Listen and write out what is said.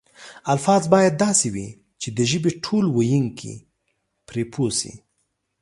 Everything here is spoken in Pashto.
الفاظ باید داسې وي چې د ژبې ټول ویونکي پرې پوه شي.